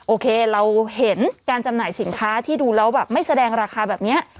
โอเคเราเห็นการจำหน่ายสินค้าที่ดูแล้วแบบไม่แสดงราคาแบบนี้